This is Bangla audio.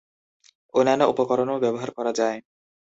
অন্যান্য উপকরণও ব্যবহার করা হয়।